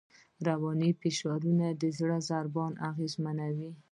رواني فشارونه د زړه ضربان اغېزمنوي.